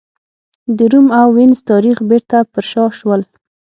د روم او وینز تاریخ بېرته پر شا شول.